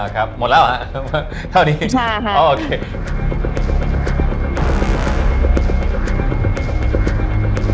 อ๋อครับหมดแล้วอ่ะเท่านี้